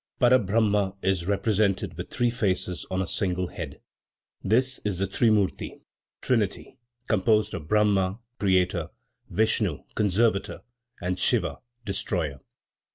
Para Brahma is represented with three faces on a single head. This is the "trimurti" (trinity), composed of Brahma (creator), Vishnu (conservator), and Siva (destroyer).